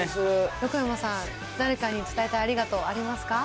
横山さん、誰かに伝えたいありがとうありますか？